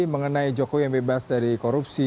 mengenai jokowi yang bebas dari korupsi